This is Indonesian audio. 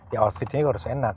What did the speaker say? ya outfitnya harus enak